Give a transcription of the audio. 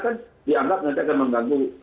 kan dianggap nanti akan mengganggu